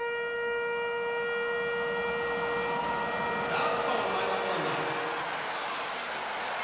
やっぱお前だったんだ！